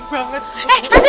serem banget tuh